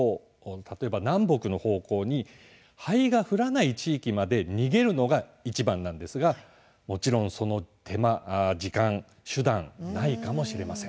例えば南北の方向に灰が降らない地域まで逃げるのがいちばんなんですがもちろんその時間、手段はないかもしれません。